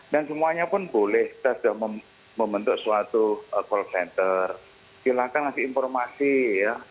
dan semuanya pun boleh kita sudah membentuk suatu call center silakan kasih informasi ya